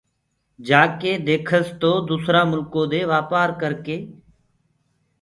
جآڪي ديکس تو دوٚسرآ مُلڪو دي وآپآر ڪرڪي